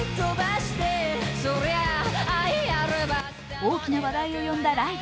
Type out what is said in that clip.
大きな話題を呼んだライブ。